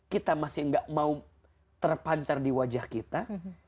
kita masih gak mau terpancar di wajah kita